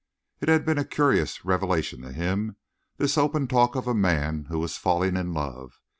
It had been a curious revelation to him, this open talk of a man who was falling in love.